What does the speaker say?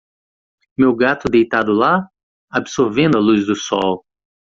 Meu gato deitado lá? absorvendo a luz do sol.